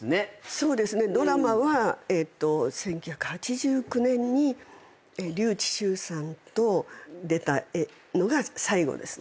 そうですねドラマは１９８９年に笠智衆さんと出たのが最後ですね。